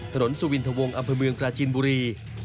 สุวินทวงอำเภอเมืองปราจินบุรี